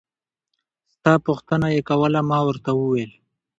ستا پوښتنه يې کوله ما ورته وويل.